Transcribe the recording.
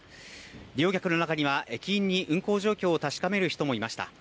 利用客の中には、駅員に運行状況を確かめる人もいました。